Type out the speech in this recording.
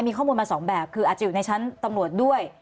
มีข้อมูลมา๒แบบคืออาจจะอยู่ในชั้นตำรวจด้วย